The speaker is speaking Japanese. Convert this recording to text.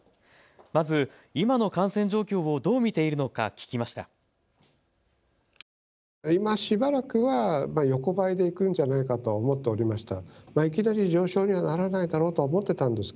まず今の感染状況をどう見ているのか聞きました。